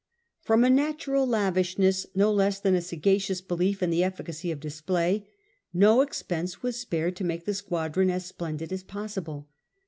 From a natural lavishness, no less than a sagacious belief in the efficacy of display, no expense was spared to make the squadron as splendid as possible.